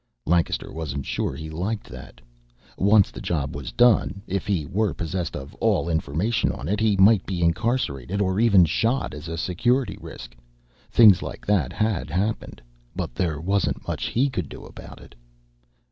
Lancaster wasn't sure he liked that. Once the job was done if he were possessed of all information on it he might be incarcerated or even shot as a Security risk. Things like that had happened. But there wasn't much he could do about it.